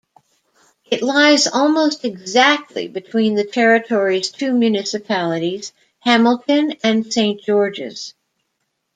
It lies almost exactly between the territory's two municipalities, Hamilton and Saint George's.